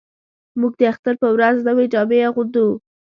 موږ د اختر په ورځ نوې جامې اغوندو